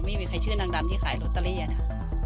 ไม่มีใครชื่อนางดำที่ขายโรตเตอรี่นะ